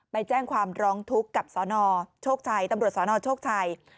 ไปแจ้งความร้องทุกข์กับสนโชคชัยตำรวจสนโชคชัย